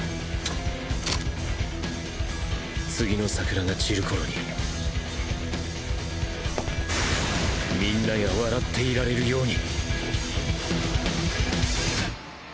次の桜が散る頃に皆が笑っていられるように